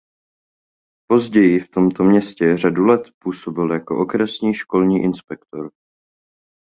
Později v tomto městě řadu let působil jako okresní školní inspektor.